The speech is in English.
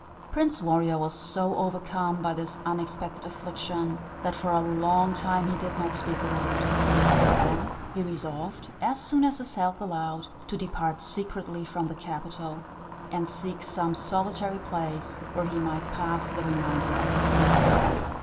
Prince Warrior was so overcome by this unexpected affliction, that for a long time he did not speak a word. Then he resolved, as soon as his health allowed, to depart secretly from the capital, and seek some solitary place where he might pass the remainder of his sad life.